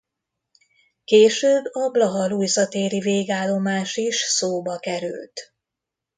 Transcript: Később a Blaha Lujza téri végállomás is szóba került.